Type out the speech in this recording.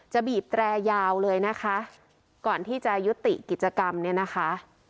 บีบแตรยาวเลยนะคะก่อนที่จะยุติกิจกรรมเนี่ยนะคะ